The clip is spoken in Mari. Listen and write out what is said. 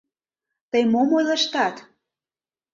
Тый мом ойлыштат?